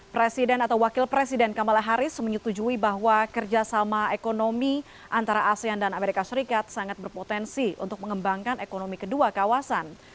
presiden atau wakil presiden kamala harris menyetujui bahwa kerjasama ekonomi antara asean dan amerika serikat sangat berpotensi untuk mengembangkan ekonomi kedua kawasan